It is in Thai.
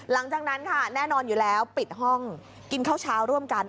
หลังจากนั้นค่ะแน่นอนอยู่แล้วปิดห้องกินข้าวเช้าร่วมกัน